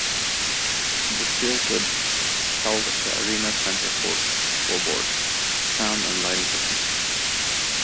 The steel cloud held the arena's center court scoreboard, sound and lighting systems.